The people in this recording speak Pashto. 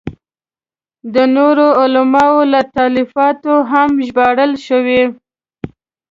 د نورو علماوو له تالیفاتو هم ژباړل شوي.